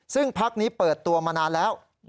ซึ่งพักนี้เปิดตัวมานานแล้ว